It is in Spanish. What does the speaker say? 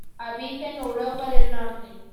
Habita en Europa del Norte.